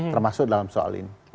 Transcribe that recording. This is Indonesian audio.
termasuk dalam soal ini